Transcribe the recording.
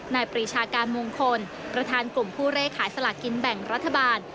ปรีชาการมงคลประธานกลุ่มผู้เลขขายสลากกินแบ่งรัฐบาล